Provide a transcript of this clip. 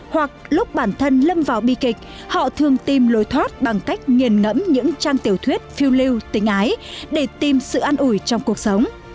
hoặc lúc bản thân lâm vào bi kịch họ thường tìm lối thoát bằng cách nghiền ngẫm những trang tiểu thuyết phiêu lưu tình ái để tìm sự an ủi trong cuộc sống